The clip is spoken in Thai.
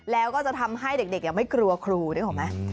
แล้วก็จะทำให้เด็กยังไม่กลัวครูได้หรอไหม